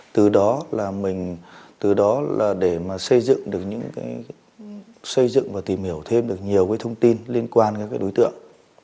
từ đó là để xây dựng và tìm hiểu thêm được nhiều thông tin liên quan các đối tượng